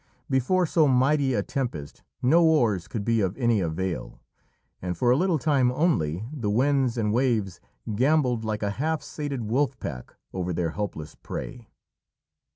Before so mighty a tempest no oars could be of any avail, and for a little time only the winds and waves gambolled like a half sated wolf pack over their helpless prey.